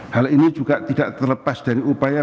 hal ini juga tidak terlepas dari upaya